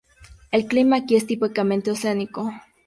El clima aquí es típicamente oceánico.